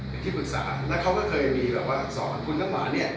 เป็นที่ปรึกษาแล้วเขาก็ดูกินคนน้ำ